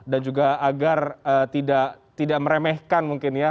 dan juga agar tidak meremehkan mungkin ya